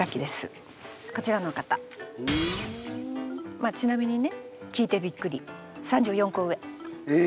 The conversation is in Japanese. まあちなみにね聞いてびっくりえ！